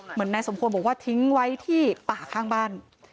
เหมือนนายสมควรบอกว่าทิ้งไว้ที่ป่าข้างบ้าน